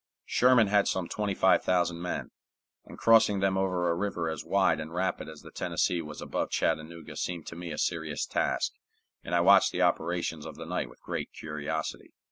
Sherman had some twenty five thousand men, and crossing them over a river as wide and rapid as the Tennessee was above Chattanooga seemed to me a serious task, and I watched the operations of the night with great curiosity.